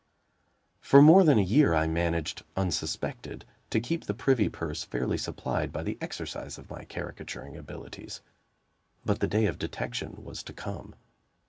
For more than a year I managed, unsuspected, to keep the Privy Purse fairly supplied by the exercise of my caricaturing abilities. But the day of detection was to come.